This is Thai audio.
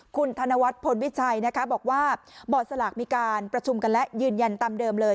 คุณธนวัฒนพลวิชัยนะคะบอกว่าบอร์ดสลากมีการประชุมกันและยืนยันตามเดิมเลย